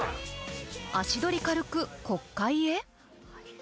足取り軽く、国会へ。